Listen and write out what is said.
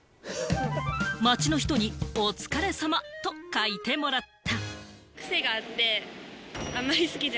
街の人に「お疲れ様」と書いてもらった。